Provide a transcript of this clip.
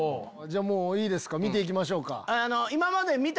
じゃあもういいですか見て行きましょうか。